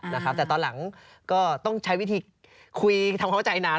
แต่ตอนหลังก็ต้องใช้วิธีคุยทำเข้าใจนาน